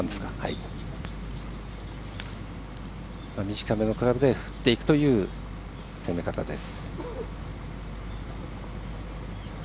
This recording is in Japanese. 短めのクラブで振っていくという攻め方です。